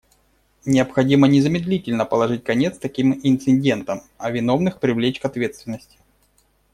Необходимо незамедлительно положить конец таким инцидентам, а виновных привлечь к ответственности.